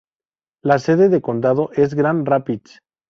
La sede de condado es Grand Rapids.